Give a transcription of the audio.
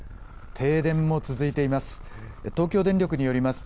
停電も続いています。